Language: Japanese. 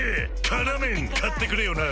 「辛麺」買ってくれよな！